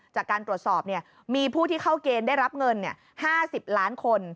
จากการตรวจสอบมีผู้ที่เข้าเกณฑ์ได้รับเงิน๕๐ล้านคน